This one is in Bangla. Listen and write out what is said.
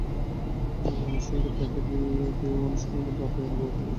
মামুনুলের সঙ্গে তাঁকে দিয়েও অনুশীলনে বাঁ পায়ে অনবরত ক্রস তোলান কোচ।